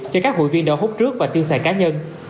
cho các hủy viên đỡ hốt trước và tiêu sài cá nhân